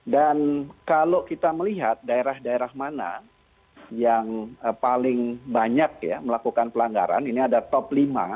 dan kalau kita melihat daerah daerah mana yang paling banyak melakukan pelanggaran ini ada top lima